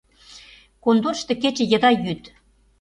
Конторышто кече еда йӱыт.